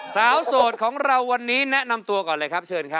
สาวโสดของเราวันนี้แนะนำตัวก่อนเลย